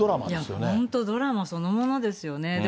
いや、本当ドラマそのものですよね。